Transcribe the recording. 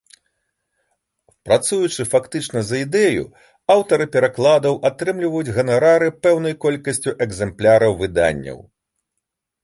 Працуючы фактычна за ідэю, аўтары перакладаў атрымліваюць ганарары пэўнай колькасцю экзэмпляраў выданняў.